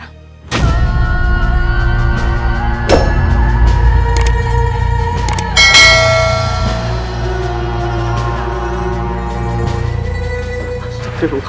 astagfirullahaladzim ya allah